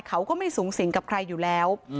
เขาก็ไม่สูงสิงกับใครอยู่แล้ว